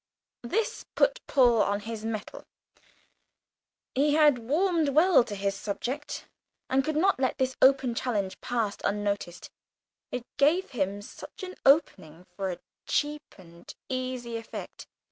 This put Paul on his mettle; he had warmed well to his subject, and could not let this open challenge pass unnoticed it gave him such an opening for a cheap and easy effect.